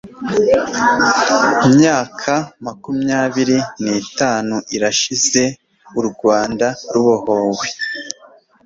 myaka makumyabiri nitanu irashize u Rwanda rubohowe